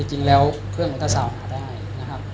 จริงแล้วเครื่องอุตส่าห์หาได้นะครับ